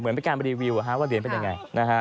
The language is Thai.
เหมือนเป็นการไปรีวิวว่าเรียนเป็นอย่างไร